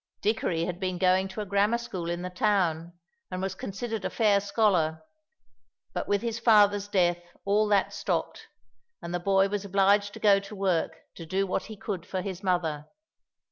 Dickory had been going to a grammar school in the town, and was considered a fair scholar, but with his father's death all that stopped, and the boy was obliged to go to work to do what he could for his mother.